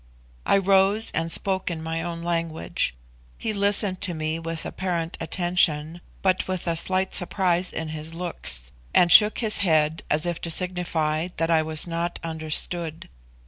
I rose and spoke in my own language. He listened to me with apparent attention, but with a slight surprise in his looks; and shook his head, as if to signify that I was not understood.